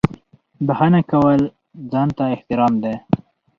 • بښنه کول ځان ته احترام دی.